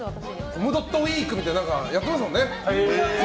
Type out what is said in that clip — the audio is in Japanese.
コムドットウィークみたいなのやってますもんね。